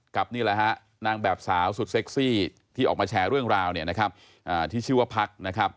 กับนางแบบสาวสุดเซ็กซี่ที่ออกมาแชร์เรื่องราวที่ชื่อว่าพัก